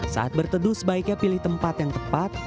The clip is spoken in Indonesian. saat berteduh sebaiknya pilih tempat yang tepat